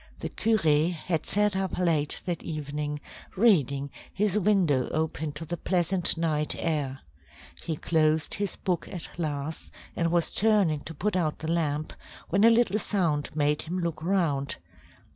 The curé had sat up late that evening, reading, his window open to the pleasant night air. He closed his book at last, and was turning to put out the lamp, when a little sound made him look round.